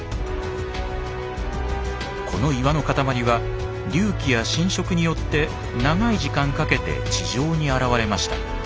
この岩の塊は隆起や浸食によって長い時間かけて地上に現れました。